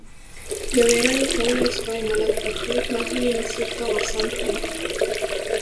یوي رایې کولای سول ملت برخلیک نا هیلي مسیر ته ورسم کړي.